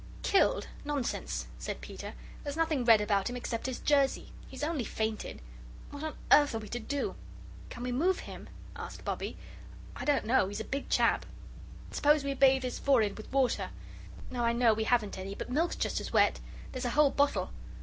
"Killed? Nonsense!" said Peter. "There's nothing red about him except his jersey. He's only fainted. What on earth are we to do?" "Can we move him?" asked Bobbie. "I don't know; he's a big chap." "Suppose we bathe his forehead with water. No, I know we haven't any, but milk's just as wet. There's a whole bottle."